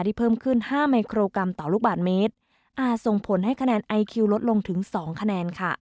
เพิ่มขึ้นห้ามิโครกรัมต่อลูกบาทเมตรอาจส่งผลให้คะแนนไอคิวลดลงถึงสองคะแนนค่ะ